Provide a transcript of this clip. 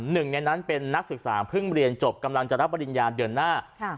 หนึ่งในนั้นเป็นนักศึกษาเพิ่งเรียนจบกำลังจะรับปริญญาเดือนหน้า